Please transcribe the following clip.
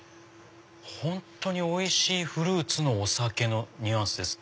本当においしいフルーツのお酒のニュアンスです。